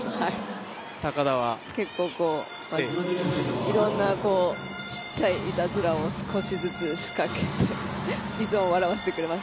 結構、いろんなちっちゃい、いたずらを少しずつ仕掛けていつも笑わせてくれます。